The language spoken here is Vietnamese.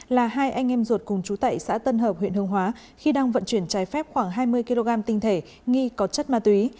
là hai anh em ruột cùng chú tẩy xã tân hợp huyện hương hóa khi đang vận chuyển trái phép khoảng hai mươi kg tinh thể nghi có chất ma túy